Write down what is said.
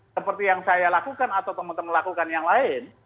seperti yang saya lakukan atau teman teman lakukan yang lain